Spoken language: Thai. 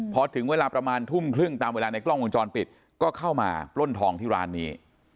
พอถึงเวลาประมาณทุ่มครึ่งตามเวลาในกล้องวงจรปิดก็เข้ามาปล้นทองที่ร้านนี้